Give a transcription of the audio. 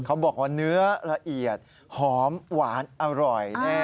เขาบอกว่าเนื้อละเอียดหอมหวานอร่อยแน่